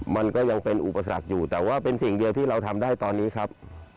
มันก็ยังเป็นอุปสรรคอยู่แต่ว่าเป็นสิ่งเดียวที่เราทำได้ตอนนี้ครับ